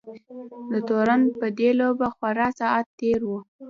د تورن په دې لوبه خورا ساعت تېر وو.